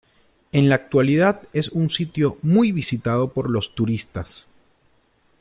En la actualidad es un sitio muy visitado por los turistas.